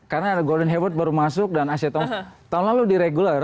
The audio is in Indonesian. karena ada gordon hayward baru masuk dan asean tunggul